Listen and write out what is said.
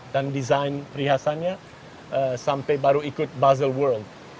dan desain perhiasannya sampai baru ikut basel world